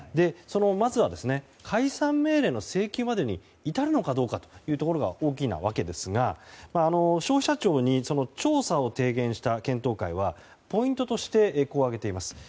まずは、解散命令の請求までに至るのかどうかが大きなわけですが、消費者庁に調査を提言した検討会はポイントとしてこう挙げています。